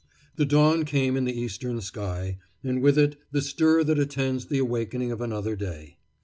The dawn came in the eastern sky, and with it the stir that attends the awakening of another day.